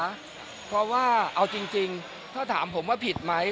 เพราะว่าเอาจริงเมื่อถามผมว่าผิดมั้ย